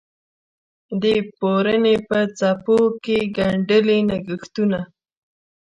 د پوړنې په څپو کې یې ګنډلي نګهتونه